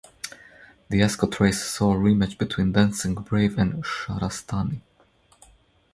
The Ascot race saw a rematch between Dancing Brave and Shahrastani.